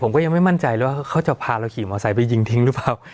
ผมก็ยังไม่มั่นใจว่าเขาจะพาเราขี่มอเตอร์ไซค์ไปยิงทิ้งหรือเปล่า